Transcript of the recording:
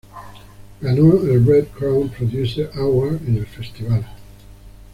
Ganó el "Red Crown Producer’s Award" en el festival.